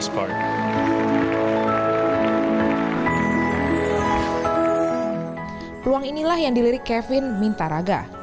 peluang inilah yang dilirik kevin minta raga